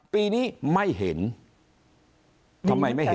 ปีนี้ไม่เห็นทำไมไม่เห็น